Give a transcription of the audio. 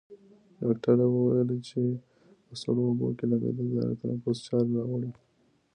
ډاکټره وویل چې په سړو اوبو کې لامبېدل د تنفس چاره راوړي.